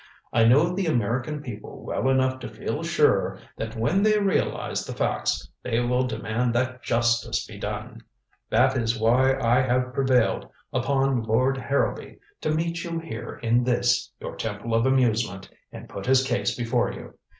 I know the American people well enough to feel sure that when they realize the facts they will demand that justice be done. That is why I have prevailed upon Lord Harrowby to meet you here in this, your temple of amusement, and put his case before you.